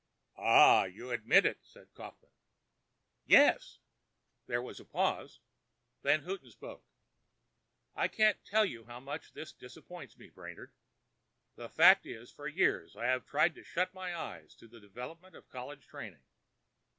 "Ah! You admit!" It was Kaufmann. "Yes." There was a pause. Then Houghton spoke. "I can't tell you how much this disappoints me, Brainard. The fact is, for years I have tried to shut my eyes to the development of college training.